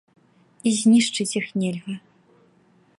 І знішчыць іх нельга.